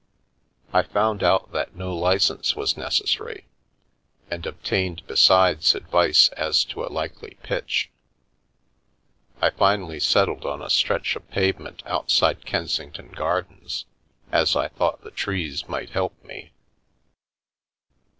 I found out that no licence was necessary, and obtained besides advice as to a likely "pitch." I finally settled on a stretch of pavement outside Kensington Gardens, as I thought the trees might help me.